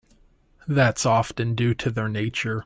That's often due to their nature.